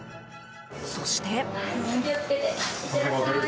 そして。